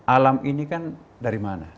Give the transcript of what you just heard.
alam ini kan dari mana